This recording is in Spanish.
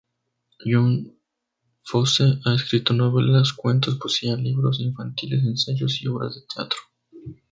Jon Fosse ha escrito novelas, cuentos, poesía, libros infantiles, ensayos y obras de teatro.